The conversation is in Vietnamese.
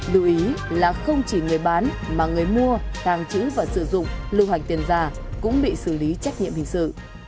lưu ý là không chỉ người bán mà người mua tàng trữ và sử dụng lưu hành tiền giả cũng bị xử lý trách nhiệm hình sự